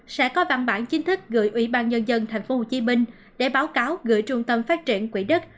sẽ có văn bản chính thức gửi ủy ban nhân dân thành phố hồ chí minh để báo cáo gửi trung tâm phát triển quỹ đất